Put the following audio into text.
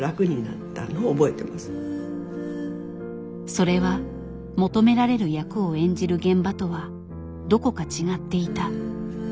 それは求められる役を演じる現場とはどこか違っていた。